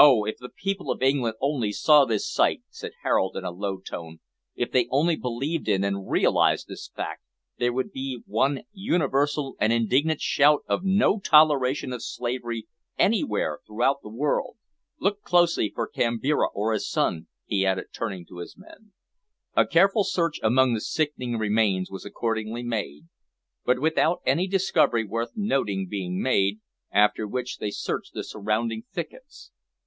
"Oh! if the people of England only saw this sight!" said Harold, in a low tone; "if they only believed in and realised this fact, there would be one universal and indignant shout of `No toleration of slavery anywhere throughout the world!'" "Look closely for Kambira or his son," he added, turning to his men. A careful search among the sickening remains was accordingly made, but without any discovery worth noting being made, after which they searched the surrounding thickets.